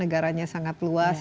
negaranya sangat luas